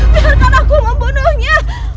biarkan aku membunuhnya